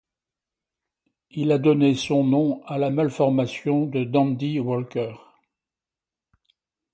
Il a donné son nom à la malformation de Dandy-Walker.